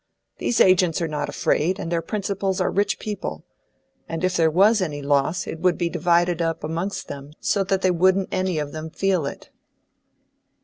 These agents are not afraid, and their principals are rich people; and if there was any loss, it would be divided up amongst them so that they wouldn't any of them feel it."